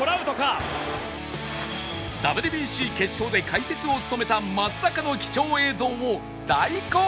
ＷＢＣ 決勝で解説を務めた松坂の貴重映像を大公開